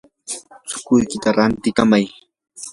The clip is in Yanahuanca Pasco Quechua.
chukuykita rantikamay.